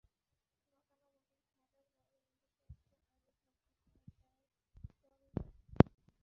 গতানুগতিক ধারার বাইরে নিজস্ব একটি আঙ্গিক লক্ষ করা যায় জলির কাজে।